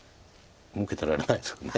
受けてられないですから。